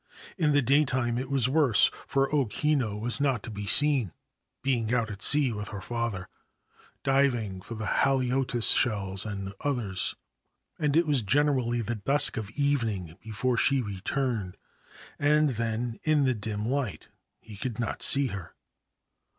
In the daytime it was worse, for O Kinu was not to be seen, being out at sea with hei father, diving for the haliotis shell and others ; and it was generally the dusk of evening before she returned, and then, in the dim light, he could not see her.